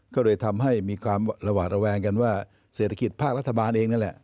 ก็เลยทำให้มีความระหวาดระแวงกันว่าเศรษฐกิจภาครัฐบาลเองนั่นแหละ